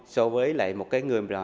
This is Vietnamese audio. so với lại một người